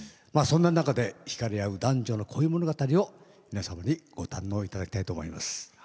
そんな中で引かれ合う男女の恋物語を皆様にご堪能いただきたいと思います。